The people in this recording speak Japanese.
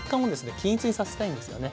均一にさせたいんですよね。